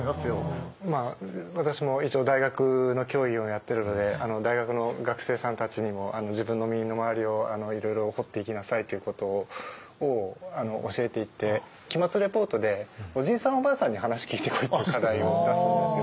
私も一応大学の教員をやってるので大学の学生さんたちにも自分の身の回りをいろいろ掘っていきなさいということを教えていて期末レポートで「おじいさんおばあさんに話聞いてこい」っていう課題を出すんですよ。